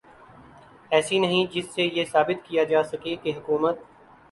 ایسی نہیں جس سے یہ ثابت کیا جا سکے کہ حکومت